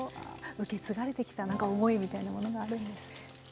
受け継がれてきたなんか思いみたいなものがあるんですね。